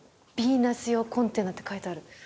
ビーナス用コンテナって書いてある。